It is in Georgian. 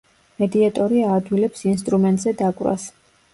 მედიატორი აადვილებს ინსტრუმენტზე დაკვრას.